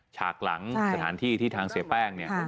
ฉากหลังสถานที่ที่ทางเสียแป้งเนี่ย